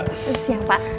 selamat siang pak